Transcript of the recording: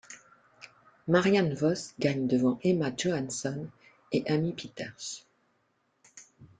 Marianne Vos gagne devant Emma Johansson et Amy Pieters.